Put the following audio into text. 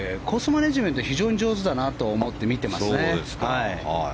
マネジメントが非常に上手だなと思って見てますね。